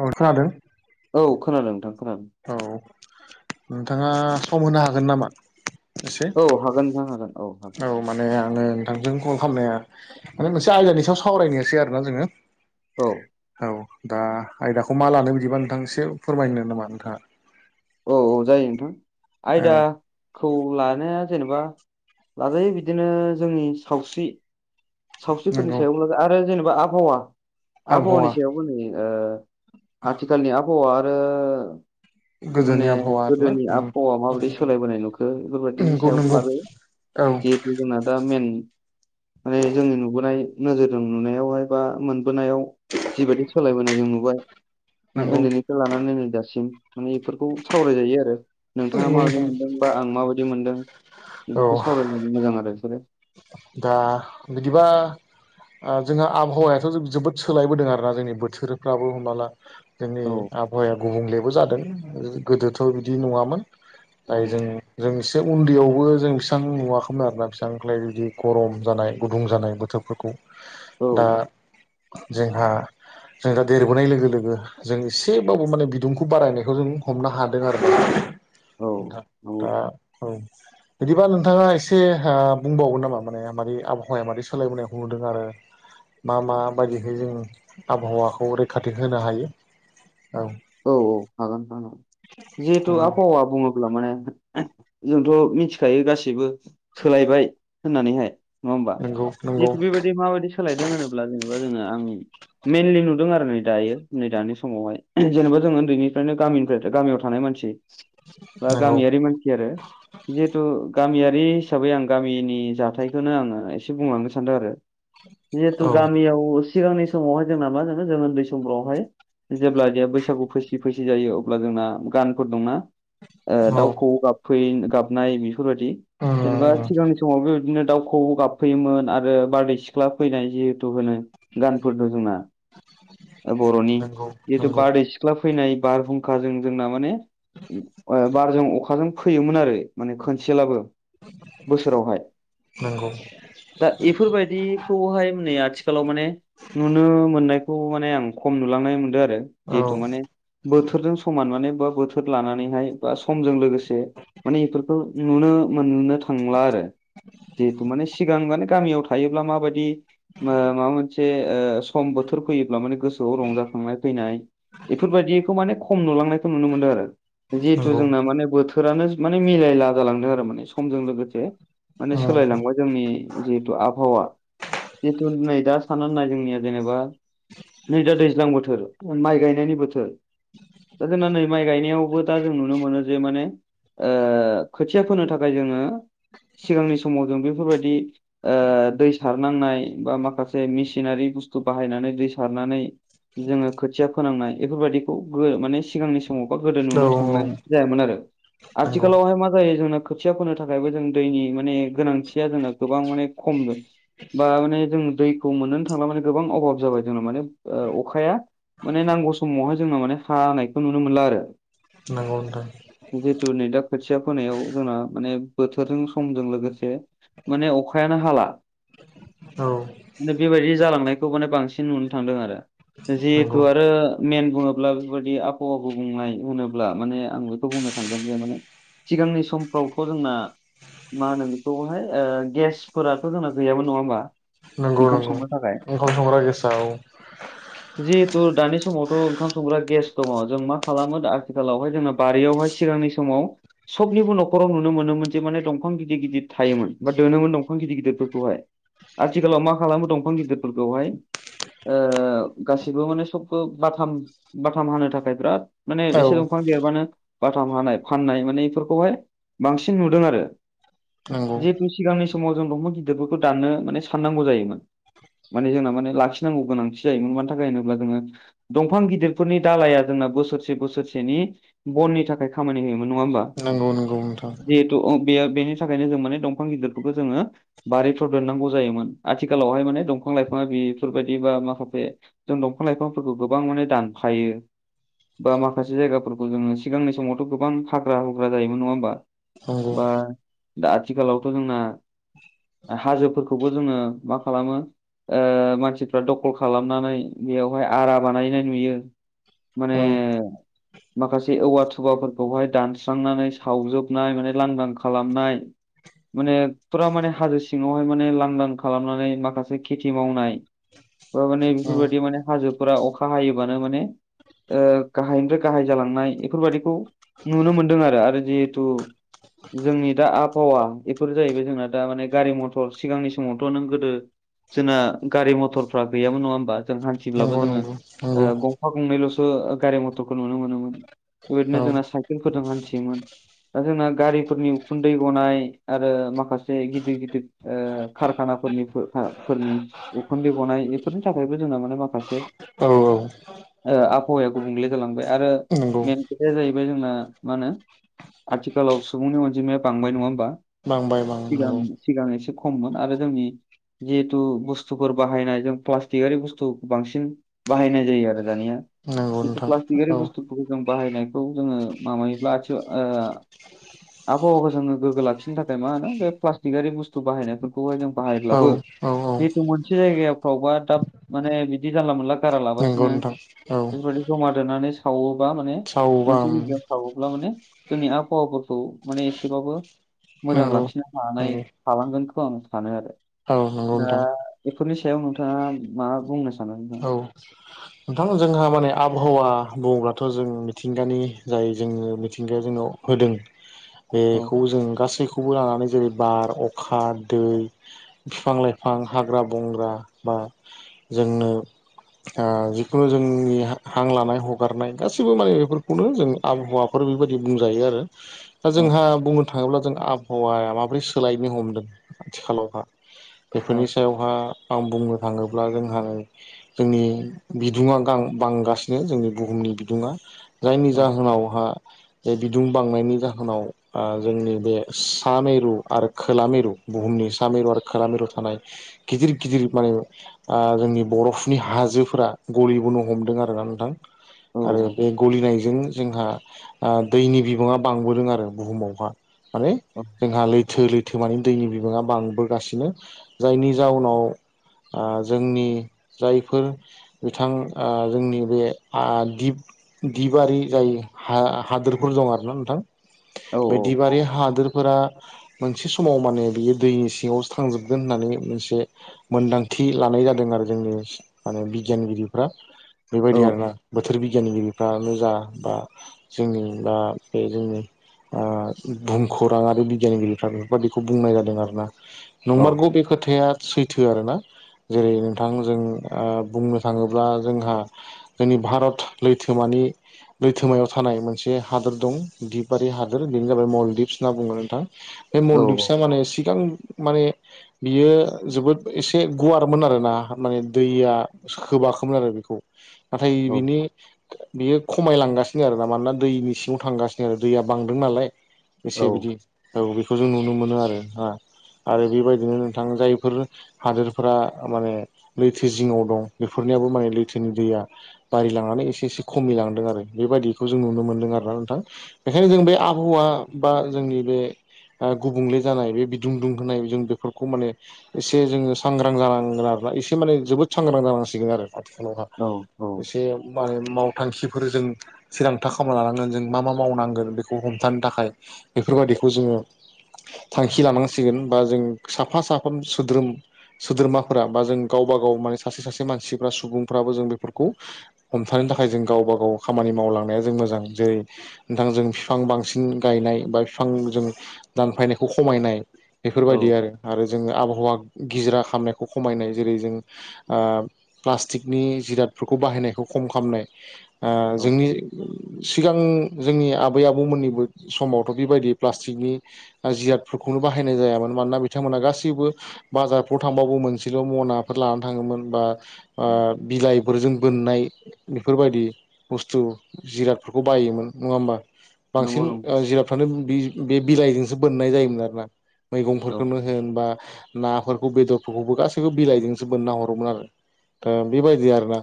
औ खोनादों औ खोनांदों नोंथां खोनादों औ नोंथाङा सम होनो हागोन नामा? एसे औ हागोन नोंथां हागोन औ हागोन माने आं नोंथांजों कल खालामनाया माने मोनसे सायाव सावरायनोसै आरो ना जोङो औ औ दा आयदाखौ मा लानो बिदिबा नोंथां एसे फोरमायनो नामा नोंथाङा औ औ जायो नोंथां औ आयदा खौ लानाया जेनेबा लाजायो बिदिनो जोंनि सावस्रि सावस्रिफोरनि नंगौ सायाव ला आरो जेनेबा आबहावा आबहावानि आबहावा सायावबो नै ओ आथिखालनि आबहावाआ आरो गोदोनि माने आबहावा आरोना गोदोनि उम आबहावा माबायदि सोलायबोनाय नुखो बेफोरबायाददिनि नंगौ सायावबो नंगौ लाजायो औ जेक जोंना दा मेन माने जोंनि नुबोनाय नोजोरजों नुनायावहाय बा मोनबोनायाव जिबायदि सोलायबोनाय जों नुबाय नंगौ शउन्दैनिफ्राय लानानै नै दासिम माने बेफोरखौ सावरायजायो आरो नंगौ नोंथाङा माबायदि नोंथां मोनदों बा आं माबायदि मोनदों औ बेफोरखौ सावरायायनाय मोजां आरो बिसोरो दा बिदिबा जोंहा आबहावायाथ' जोबोद सोलायबोदों आरोना जोंनि बोथोरफ्राबो हमनाला जोंनि औ आबहावाया गुबुंलेबो जादों गोदोथ' बिदि नङामोन औ ओमफ्राय जों जों एसे उन्दैयावबो जों बेसिबां नुवा खालामो आरोना बेसिबांफ्रायाय जुदि गरम जानाय गुदुं जानाय बोथोरफोरखौ औ दा जोंहा जों दा देरबोनाय लोगो लोगो जों एसेबाबो माने बिदुंखौ बारायनायखौ जों हमनो हादों आरो नोंथां नंगौ दा बिदिबा नोंथाङा एसे ओ बुंबावगोन नामा? माने मारै आबहावाया मादै सोलायबोनायखौ नुदों आरो मा मा बायदिहै जों आबहावाखौ रैखाथि होनो हायो औ औ औ हागोन हागोन जिहेथु आबहावा बुङो अब्ला माने जोंथ नोनथिखायो गासिबो सोलायबाय होननानैहाय नङा होमबा नंगौ नंगौ जिथ बेबायदि माबायदि सोलायदों होनोब्ला जेनेबा जोङो आंनि मइेनलि नुदों आरो नै दायो नै दानि समावहाय जेनेबा जों उन्दैनिफ्रायनो गामिनिफ्राय गामियाव थानाय मानसि बा नंगौ नंगौ गामियारि मानसि आरो। जिहेथु गामियारि हिसाबै आं गामिनि जाथायखौनो आङो एसे बुंलांनो सानदों आरो। जिहेतु औ गामियाव सिगांनि समावहाय जोंना मा जानो जों उन्दै समफ्रावहाय जेब्ला बैसागु फैसि फैसि जायो अब्ला जोंना गानफोर दंना ओ औ दाउ खोवौ गाब फै गाबनाय बेफोरबायदि उम जेनेबा उम सिगांनि समाव बेबायदिनो दाउखौ गाब फैयोमोन आरो बारदै सिख्ला फैनाय जिहेथु होनो। गानफोर दं जोंना बर'नि नंगौ जिथु नंगौ सिख्ला फैनाय बारहुंखाजों जोंना माने बारजों अखा जों फैयोमोन आरो माने खनसेलाबो बोसोरावहाय। नंगौ दा बेफोरबायदिखौहाय नै आथिखालाव माने नुनो मोननायखौ माने आं खम नुलांनाय मोनदों आरो औ जिहेतु माने बोथोरजों समान माने बा बोथोर लानानैहाय बा समजों लोगोसे माने बेफोरखौ नुनो मोननो थांला आरो जिहेथु माने सिगां माने गामियाव था योब्ला माबायदि माबा मोनसे ओ सम बोथोर फैयोब्ला माने गोसोआव रंजाखांनाय फैनाय बेफोरबायदिखौ माने खम नुलांनाय नुनो मोनदों आरो जिहेथु नंगौ जोंना माने बोथो रानो माने मिलायला जालांदों आरो समजों लोगोसे माने उम जोंनि जितु आबहावा जिथु नै दा सान नाय जोंनिया जेनेबा नै दा दैज्लां बोथोर माइ गायनायनि बोथोर दा जोंना नै माइ गायनायावबो दा जों नुनो मोनो जे माने ओ खोथिया फोनो थाखाय जोङो सिगांनि समाव जों बेफोरबायदि ओ दै सारनांनाय बा माखासे मेसिनारि बुस्थु बाहायनानै दै सारनानै जोङो खोथिया फोनांनाय बेफोरबायदिखौ माने सिगांनि सम समावबा गोदो औ नुनो थांनाय जायामोन आरो नंगौ आथिखालावहाय मा जायो जोंना खोथिया फोनो थाखायबो जों दैनि माने गोनांथिया जोंना गोबां माने खम बो बा माने जों दै मोनो थांला माने गोबां अभाब जाबाय जोंना माने अखाया माने नांगौ समावहाय जोंना माने हानायखौ नुनो मोनला आरो। नंगौ नोंथां। जिहेतु नै दा खोथिया फोनायाव जोंना माने बोथोरजों समजों लोगोसे माने अखायानो हाला। औ माने बेबायदि जालांनायखौ माने बांसिन नुनो थांदों आरो जि नंगौ ओ आरो मेन बुङोब्ला बेबायदि आबहावा गुबुंनाय होनोब्ला माने आं बेखौ बुंनो थांगोन जे माने सिगांनि समफ्रावथ' जोंना मा होनो बेखौहाय ओ गेसफोराथ' जोंना गैयाबो नङा होमबा? नंगौ - ओंखाम नंगौ संनो थाखाय ओंखाम संग्रा गेसआव जि खिन्थु दानि समावथ' ओंखाम संग्रा गेस दङ जों मा खालामो आथिखालावहाय जोंना बारियावहाय सिगांनि समाव सबनिबो न'खराव नुनो मोनोमोन जे माने दंफां गिदिर - गिदिर थायोमोन बा दोनोमोन दंफां गिदिर गिदिरफोरखौहाय। आथिखालाव मा खालामो दंफां गिदिरफोरखौहाय ओ गासिबो माने सबखौ बाथाम बाथाम हानो थाखाय बिराद माने औ एसे दंफां देरबानो बाथाम हानाय फाननाय माने बेफोरखौहाय बांसिन नुदों आरो। नंगौ जिहेतु सिगांनि समाव जों दंफां गिदिरफोरखौ दाननो माने साननांगौ जायोमोन। माने जोंना माने लाखिनांगौ गोनांथि जायोमोन मानि थाखाय होनोब्ला जोङो दंफां गिदिरफोरनि दालाया जोंना बोसोरसे बोसोरसेनि बननि थाखाय खामानि होयोमोन नङा होमबा। नंगौ नंगौ नोंथां। जिहेतु बे बेनि थाखायनो जों माने दंफां गिदिरफोरखौ जोङो। बारिफ्राव देननांगौ जायोमोन आथिखालावहाय माने दंफां लाइफाङा बेफोरबायाददि बा माखासे जों दंफां लाइफांफोरखौ गोबां माने दानफायो। बा जायगाफोरखौ जोङो सिगांनि समावथ' गोबां हाग्रा जायोमोन नङा होमबा। नंगौ बा दा आथिखालावथ' जोंना। हाजोफोरखौबो जोङो मा खालामो ओ मानसिफ्रा दखल खालामनानै बेयाव बेहाय आरा बानायनाय नुयो माने औ माखासे औवा थुबाफोरखौहाय दानस्रांनानै सावजोबनाय माने लांदां खालामनाय माने फुरा माने हाजो सिङावहाय माने लांदां खालामनानै माखासे खेथि मावनाय बा माने उम बेफोरबायदि माने हाजोफोरा अखा हायोबानो माने ओ गाहायनिफ्राय गाहाय जालांनाय बेफोरबायाददिखौ नुनो मोनदों आरो आरो जिहेथु जोंनि दा आबहावा बेफोर जाहैबाय जोंना दा माने गारि मथर सिगांनि समावथ' नों गोदो जोंना गारि मथरफ्रा गैयामोन नङा होमबा जों हानथि फब्लाबो नंगौ जोङो नंगौ ओ नंगौ गंफा गंनैल'सो गारि मथरखौ नुनो मोनोमोन। औ बेबायदिनो जोंना साइकेलफोरजों हान्थियोमोन। दा जोंना गारिफोरनि उखुन्दै गनाय आरो माखासे गिदिर गिदिर ओ खारखानाफोरनि फोरनि उखुन्दै गनाय इफोरनि थाखायबो जोंना माने मा खासे औ औ ओ आबहावाया गुबुंले जालांबाय आरो नंगौ मेन जोंना मा होनो आथिखालाव सुबुंनि अनजिमाया बांबाय नङा होमबा। बांबाय बां सिगां नंगौ। सिगां एसे खममोन आरो जोंनि जिहेथु बुस्थुफोर बाहायनाय जों प्लास्टि आरि बुस्थु बांसिन बाहायनाय जायो आरो दानिया। नंगौ जिथु नोंथां प्लास्टिकारि औ बुस्थुफोरखौ जों बाहायनायखौ जोङो माबायोब्ला आथि ओ [unintelligible] आबहावाखौ जोङो गोग्गो लाखिनो थाखाय मा होनो बे प्लास्टिक आरि बुस्थु बाहायनायफोरखौहाय जों औ बाहायब्लाबो औ औ जिथ' मोनसे जायगाफ्रावबा दाब माने बिदि जानला मोनला गारा नंगौ लाबासिनो नोंथां औ इफोरबायदि जमा दोननानै सावोबा माने मोनसे सावबाम जायगायाव सावोब्ला माने जोंनि आबहावाफोरखौ माने एसेबाबो मोजां नंगौ लाखिनो हानाय नंगौ हालांगोनखौ आं सानो आरो। औ नंगौ दा नोंथां बेफोरनि सायाव नोंथाङा माबा बुंनो सानो नोंथा [unintelligible] नोंथां जोंहा माने आबहावा बुङोब्लाथ' जों मिथिंगानि जाय जोंनि मिथिंगाया जोंनाव होदों औ बेखौ जों गासैखौ खौबो लानानै जेरै बार, अखा, दै बिफां लाइफां हाग्रा बंग्रा बा जोंनो ओ खौनो जोंनि हां लानाय हगारनाय गासिबो माने बेफोरखौनो जों आबहावाफोर बेबायदि बुंजायो आरो। दा औ जोंहा बुंनो थाङोब्ला जों आबहावाया माबोरै सोलायनो हमदों आथिखालावहा औ बेफोरनि सायावहा आं बुंनो थाङोब्ला जोंहा जोंनि बिदुङा गां बांगासिनो जोंनि बुहुमनि बिदुङा जायनि औ जाहोनावहा जे बिदुं बांनायनि जाहोनाव आ जोंनि बे सा मिरु आरो खोला मिरु बुहुमनि सा मिरु आरो खोला मिरु थानाय गिदिर गिदिर माने आ बरफ नि हाजोफोरा गलिबोनो हमदों आरोना नोंथां औ आरो बे गलिनायजों जोंहा आ दैनि बिबाङा बांबोदों आरो बुहुमावहा माने औ जोंहा लैथो लैथो मानि दैनि बिबाङा बांबोगासिनो जायनि जाउनाव आ जोंनि जायफोर बिथां ओ जोंनि बे आ दिप दिबारि जायै हा हादोरफोर दं आरो ना नोंथां। औ बे दिप आरि हादोरफोरा मोनसे समाव माने बियो दैनि सिङावसो थांजोबगोन होननानै मोनसे मोनदांथि लानाय जादों आरो जोंनि माने बिदियानगिरिफ्रा बेबायदि आरो ना। बोथोर बिगियानगिरिफ्रानो जा बा जोंनि बा बे जोंनि आ भुम खौरांआरि बिगियानगिरिफ्रा बेफोरबायदिखौ बुंनाय जादों आरो ना। औ नंमारगौ बे खोथाया सैथो आरो ना जेरै' नोंथां जों ओ बुंनो थाङोब्ला जोंहा जोंनि भारत लैथोमानि लैथोमायाव थानाय मोनसे हादोर दं दिपारि हादोर बेनो जाबाय मलदिप्स होनना बुङो नोंथां। बे मलदिप्सा माने सिगां माने बियो जोबोद एसे गुवारमोन आरो ना माने दैया साखो बाखोममोन आरो बेखौ नाथाय औ बिनि बेयो खमायलांगासिनो आरो ना मानोना दैनि सिङाव थांगासिनो आरो दैया बांदों नालाय एसे बिदि औ बेखौ जों नुनो मोनो आरो ना। आरो बेबायदिनो नोंथां जायफोर हादोरफोरा माने लैथो जिङाव दं बेफोरनियाबो माने लैथोनि दैया बारि लांनानै एसे एसे खमै लांदों आरो बेबायदिखौ जों नुनो मोन्दों आरो ना नोंथां। बेखायनो जों बे आबहावा बा जोंनि बे ओ गुबुंले जानाय बे बिदुं दुंगुनाय जों बेफोरखौ माने एसे जोङो सांग्रां जानांगोन आरोना एसे माने जोबोद सांग्रां जानांसिगोन आरो आथिखालावहा औ। एसे मा मावथांखिफोर जों थिरांथा खामना लानांगोन जों मा मा मावनांगोन बेखौ हमथानो थाखाय बेफोरबायाददिखौ जोङो थांखि लानांसिगोन बा जों साफा साफा सोद्रोम सोद्रोमा फोरा बा जों गावबा गाव माने सासे सासे मानसिफ्रा सुबुंफ्राबो जों बेफोरखौ हमथानो थाखाय जों गावबा गाव खामानि मावलांनाया जों मोजां जेरै ओथां जों फिफां बांसिन गायनाय बा फिफां जों दानफायनायखौ खमायनाय औ बेफोरबायदि आरो आरो जोङो आबहावा गिजिरा खामनायखौ खमायनाय जेरै' जों ओ प्लास्टिकनि जिरादफोरखौ बाहायनायखौ खम खालामनाय ओ औ जोंनि सिगां जोंनि आबै आबौमोननिबो समावथ' बेबायदि प्लास्टिकनि बाजियादफोरखौनो बाहायनाय जायामोन मानोना बिथांमोना गासैबो बाजारफ्राव थांबो मोनसेल' मनाफोर ला थाङोमोन बा ओ बिलाइफोरजों बोननाय बेफोरबायदि बुस्थु जिरादफोरखौ बायोमोन नङा होमबा। नंगौ बांसिन नंगौ ओ जिरादफ्रानो बे बे बिलाइजोंसो बोननाय जायोमोन आरो ना। औ मैगंफोरखौनो होन बा नाफोरखौ बेदरफोरखौबो गासैबो बिलाइजोंसो बोनना हरोमोन आरो। थ बेबायदि आरो ना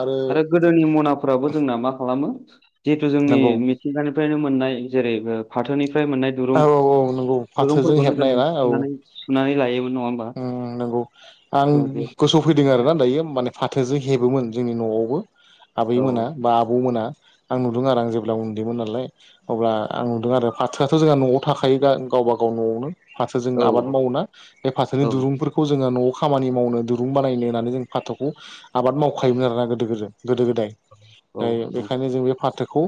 आरो गोदोनि मनाफोराबो जोंना मा खालामो जिहेथु जोंनि नंगौ मि थिगानिफ्रायनो मोननाय जेरै' बो फाथोनिफ्राय मोननाय दुरुं औ औ नंगौ फाथोजों दुरुंफोरखौनो जों हेबनाय बा औ सुनानै सुनानै लायोमोन नङा होमबा? उम नंगौ। आं बेबायदि। गोसोआव फैदों आरो ना दायो माने फाथोजों हेबोमोन जोंनि न'आवबो आबै औ मोना बा आबौ मोना आं नुदों आरो आं जेब्ला उन्दैमोन नालाय अब्ला आं नुदों आरो फाथो थ' जोंहा न'आव थाखायो गावबा गाव न'आवनो फारसे जों औ मावोना फारसेनि औ दुरुंफोरखौ खौ जोङो न'आव खामानि मावनो दुरुं बानायनो होननानै जों फाथोखौ। आबाद मावखायोमोन आरोना गोदो गोदो गोदो गोदाय। औ औ बेखायनो जों बे फाथोखौ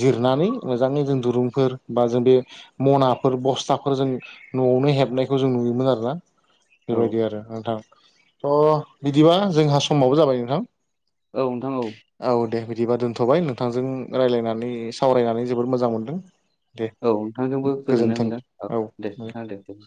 जिरनानै मोजाङै जों दुरुंफोर बा जों बे मनाफोर बस्थाफोर जों न'आवनो हेबनायखौ जों नुयोमोन आरोना। औ बेबायदि आरो नोंथां थ' बिदिबा जोंहा समावबो जाबाय नोंथां। औ नोंथां औ। औ दे बिदिबा दोनथ'बाय नोंथांजों रायज्लायनानै सावरायनानै जोबोद मोजां मोनदों। दे औ नोंथांजोंबो गोजोननाय गोजोन्थों मोनदों औ दे नोंथाङा दे।